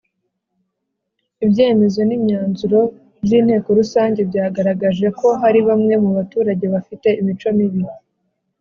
ibyemezo n imyanzuro by Inteko Rusange byagaragaje ko hari bamwe mu baturage bafite imico mibi